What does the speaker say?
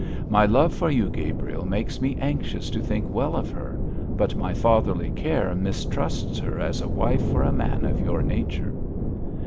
My love for you, Gabriel, makes me anxious to think well of her, but my fatherly care mistrusts her as a wife for a man of your nature.'